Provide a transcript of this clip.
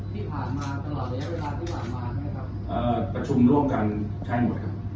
ประชุมร่วมกันใช้หมดครับ